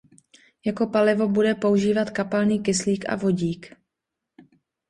Jako palivo bude používat kapalný kyslík a vodík.